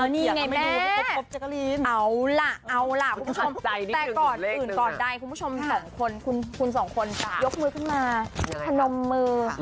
นี่ไงแม่เอาล่ะเอาล่ะคุณผู้ชมแต่ก่อนได้คุณผู้ชม๒คนคุณ๒คนยกมือขึ้นมาขนมมือ